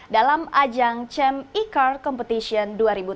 dalam ajang cham e car competition dua ribu tujuh belas